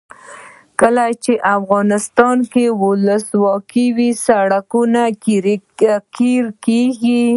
کله چې افغانستان کې ولسواکي وي سړکونه قیر کیږي.